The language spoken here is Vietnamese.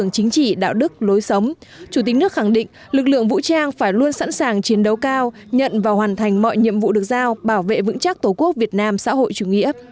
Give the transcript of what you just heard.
chủ tịch nước khẳng định lực lượng vũ trang phải luôn sẵn sàng chiến đấu cao nhận và hoàn thành mọi nhiệm vụ được giao bảo vệ vững chắc tổ quốc việt nam xã hội chủ nghĩa